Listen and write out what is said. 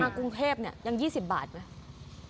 มากรุงเทพย์ยัง๒๐บาทไหม